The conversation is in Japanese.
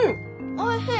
おいしい！